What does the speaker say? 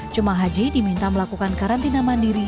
jemaah haji diminta melakukan karantina mandiri